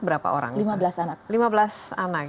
berapa orang lima belas anak